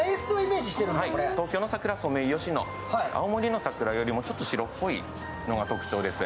東京の桜、ソメイヨシノ青森の桜よりもちょっと白っぽいのが特徴です。